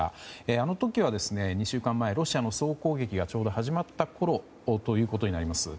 あの時は、２週間前ロシアの総攻撃がちょうど始まったころとなります。